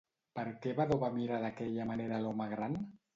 Per què Vadó va mirar d'aquella manera a l'home gran?